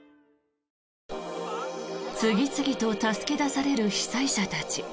次々と助け出される被災者たち。